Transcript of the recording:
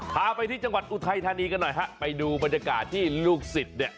พาไปที่จังหวัดอุทัยธานีกันหน่อยฮะไปดูบรรยากาศที่ลูกศิษย์เนี่ย